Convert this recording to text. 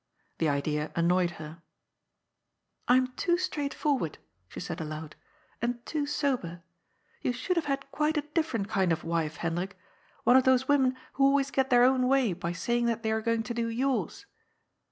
The idea annoyed her. ^^ I am too straightforward," she said aloud, ^' and too sober. You should have had quite a different kind of wife, Hendrik, one of those women who always get their own way by saying they are going to do yours."